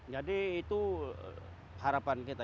jadi itu harapan kita